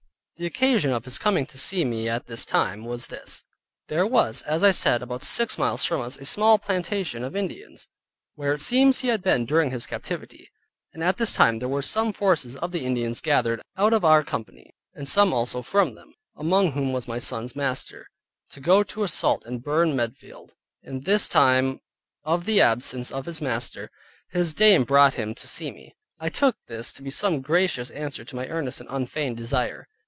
The occasion of his coming to see me at this time, was this: there was, as I said, about six miles from us, a small plantation of Indians, where it seems he had been during his captivity; and at this time, there were some forces of the Ind. gathered out of our company, and some also from them (among whom was my son's master) to go to assault and burn Medfield. In this time of the absence of his master, his dame brought him to see me. I took this to be some gracious answer to my earnest and unfeigned desire.